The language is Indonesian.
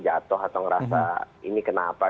jatuh atau merasa ini kenapa